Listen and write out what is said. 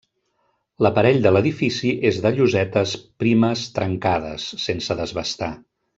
L'aparell de l'edifici és de llosetes primes trencades, sense desbastar.